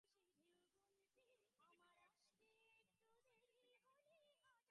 তবে রত্নদ্বীপে যাওয়া সহজ নয়, অনেক কষ্ট মাথায় নিয়ে সেখানে যেতে হবে।